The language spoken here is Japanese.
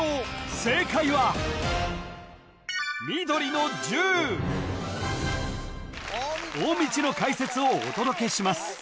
正解は緑の１０大道の解説をお届けします